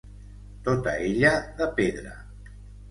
Tota ella de pedra.